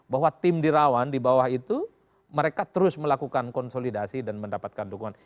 bahwa tim di rawan di bawah itu mereka terus melakukan konsolidasi dan mendapatkan dukungan